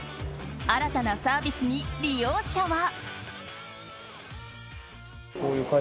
新たなサービスに利用者は。